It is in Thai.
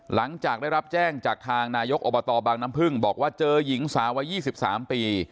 หลังจากได้รับแจ้งจากทางนายกอบตบางน้ำพึ่งบอกว่าเจอหญิงสาววัย๒๓ปี